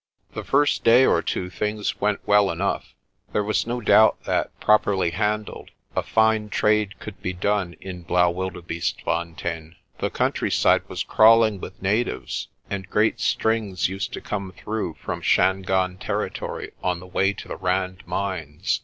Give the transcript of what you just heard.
The first day or two things went well enough. There was no doubt that, properly handled, a fine trade could be done in Blaauwildebeestefontein. The countryside was crawling with natives, and great strings used to come through 46 PRESTER JOHN from Shangaan territory on the way to the Rand mines.